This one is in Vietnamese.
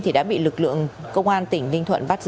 thì đã bị lực lượng công an tỉnh ninh thuận bắt giữ